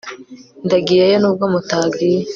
Ndagiyeyo nubwo mutagiye